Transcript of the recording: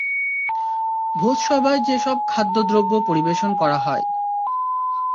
ভোজসভায় যে সব খাদ্য-দ্রব্য পরিবেশন করা হয়।